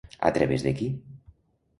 A través de qui?